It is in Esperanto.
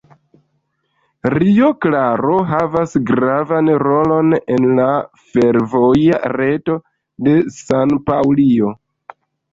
Rio Claro havas gravan rolon en la fervoja reto de San-Paŭlio.